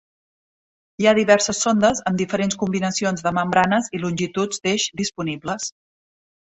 Hi ha diverses sondes amb diferents combinacions de membranes i longituds d'eix disponibles.